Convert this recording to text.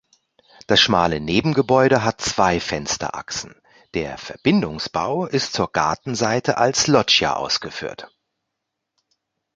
Das schmale Nebengebäude hat zwei Fensterachsen, der Verbindungsbau ist zur Gartenseite als Loggia ausgeführt.